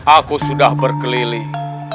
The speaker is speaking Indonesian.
aku sudah berkeliling